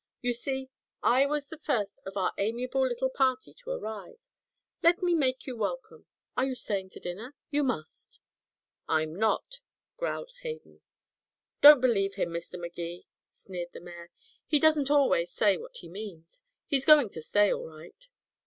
You see, I was the first of our amiable little party to arrive. Let me make you welcome. Are you staying to dinner? You must." "I'm not," growled Hayden. "Don't believe him, Mr. Magee," sneered the mayor, "he doesn't always say what he means. He's going to stay, all right."